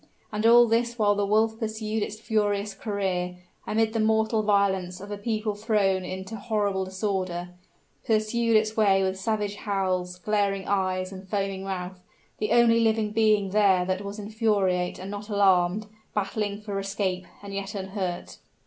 And all this while the wolf pursued its furious career, amid the mortal violence of a people thrown into horrible disorder, pursued its way with savage howls, glaring eyes, and foaming mouth, the only living being there that was infuriate and not alarmed, battling for escape, and yet unhurt.